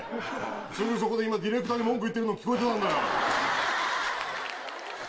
すぐそこでディレクターに文句言ってたの聞こえてたんだよ。